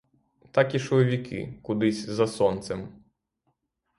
Так ішли віки, кудись за сонцем.